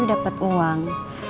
pasti dapat uang